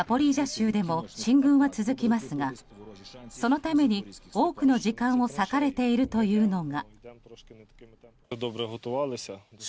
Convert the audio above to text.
州でも進軍は続きますがそのために多くの時間を割かれているというのが。